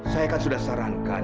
saya kan sudah sarankan